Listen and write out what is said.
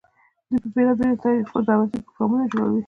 دوي ته په بيلابيلو طريقودعوتي پروګرامونه جوړووي،